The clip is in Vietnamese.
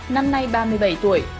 năm nay ba mươi bảy tuổi